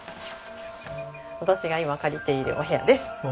私が今借りているお部屋です。